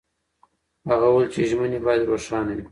هغه وویل چې ژمنې باید روښانه وي.